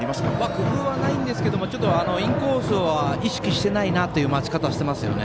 工夫はないんですけどもちょっとインコースは意識してないなという待ち方をしていますよね。